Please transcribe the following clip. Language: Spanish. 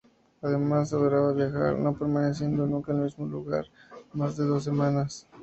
Además, adoraba viajar, no permaneciendo nunca en el mismo lugar más de dos semanas.